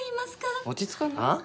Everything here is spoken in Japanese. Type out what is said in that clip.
落ち着かない？ああ？